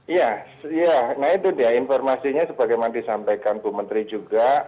iya nah itu dia informasinya sebagaimana disampaikan bumetri juga